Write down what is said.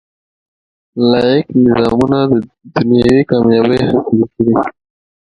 لاییک نظامونه دنیوي کامیابۍ حاصلې کړي.